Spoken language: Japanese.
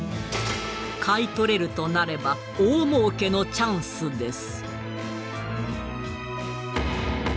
買い取れるとなれば大もうけのチャンスです。